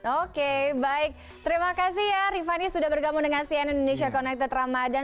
oke baik terima kasih ya rifany sudah bergabung dengan cn indonesia connected ramadan